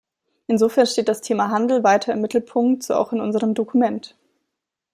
Insofern steht das Thema Handel weiter im Mittelpunkt, so auch in unserem Dokument.